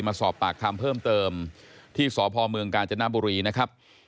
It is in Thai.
มาสอบปากคำเพิ่มเติมที่สพเมืองกาญจนบุรีนะครับ